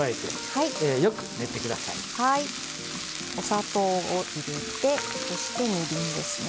お砂糖を入れてそしてみりんですね。